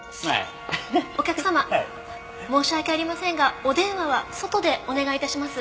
お客様申し訳ありませんがお電話は外でお願い致します。